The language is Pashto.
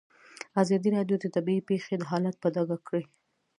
ازادي راډیو د طبیعي پېښې حالت په ډاګه کړی.